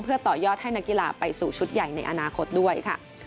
เพื่อต่อยอดให้นักกีฬาไปสู่ชุดใหญ่ในอนาคตด้วยค่ะ